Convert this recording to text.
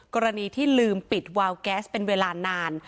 กรณีที่ลืมปิดวาวแก๊สเป็นเวลานาน